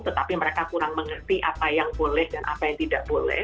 tetapi mereka kurang mengerti apa yang boleh dan apa yang tidak boleh